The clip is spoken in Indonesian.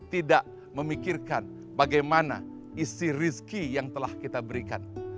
tidak memikirkan bagaimana isi rizki yang telah kita berikan